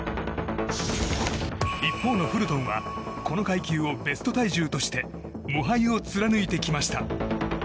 一方のフルトンはこの階級をベスト体重として無敗を貫いてきました。